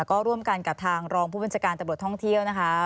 ก็ร่วมกันกับทางรองผู้บัญชาการตำรวจท่องเที่ยวนะคะ